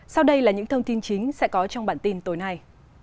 sau đây là những thông tin chính sẽ có trong bản tin tối nay